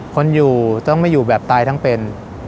คนอยู่ต้องไม่อยู่แบบตายทั้งเป็น